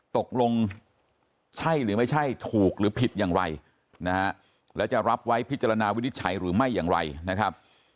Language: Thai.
ตกลงใช่หรือไม่ใช่ถูกหรือผิดอย่างไรนะฮะแล้วจะรับไว้พิจารณาวินิจฉัยหรือไม่อย่างไรนะครับ